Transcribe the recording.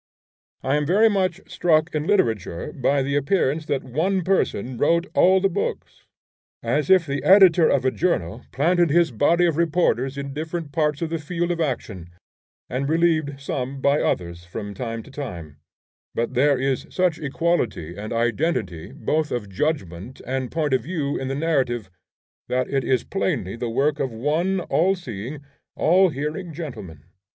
I am very much struck in literature by the appearance that one person wrote all the books; as if the editor of a journal planted his body of reporters in different parts of the field of action, and relieved some by others from time to time; but there is such equality and identity both of judgment and point of view in the narrative that it is plainly the work of one all seeing, all hearing gentleman.